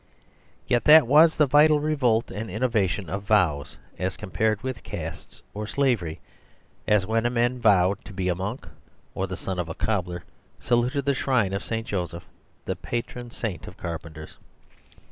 Yet that was the vital revolt and innovation of vows, as compared with castes or slavery; as when a man vowed to be a monk, or the son of a cobbler saluted the shrine of St. Joseph, the patron saint of carpenters.